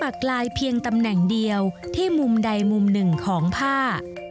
ลายเพียงตำแหน่งเดียวที่มุมใดมุมหนึ่งของผ้า